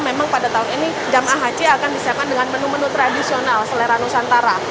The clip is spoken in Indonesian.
memang pada tahun ini jamaah haji akan disiapkan dengan menu menu tradisional selera nusantara